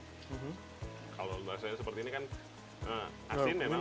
kalau bahasanya seperti ini kan asin memang